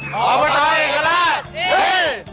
ตำบลเอกราชดี